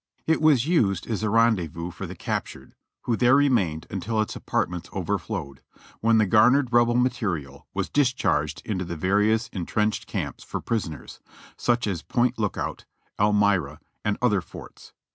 It was used as a rendezvous for the capturetl. who tliere remained until its apartments overflowed, when the garnered Rebel material was discharged into the various entrenched camps for prisoners, such as Point Lookout. Elmira and other forts.